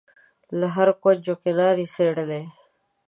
له هره کونج و کناره یې څېړلې.